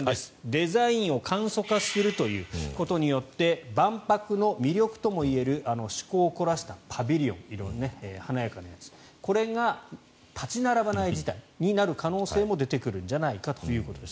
デザインを簡素化するということによって万博の魅力ともいえる趣向を凝らしたパビリオン華やかなやつ、これが立ち並ばない事態になる可能性も出てくるんじゃないかということです。